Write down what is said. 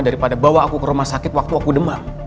daripada bawa aku ke rumah sakit waktu aku demam